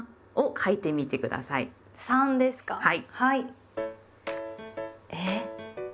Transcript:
はい。